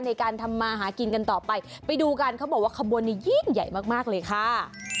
ในการทำมาหากินกันต่อไปไปดูกันเขาบอกว่าขบวนนี้ยิ่งใหญ่มากมากเลยค่ะ